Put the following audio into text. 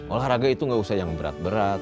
olahraga itu gak usah yang berat berat